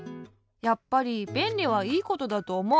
やっぱりべんりはいいことだとおもう。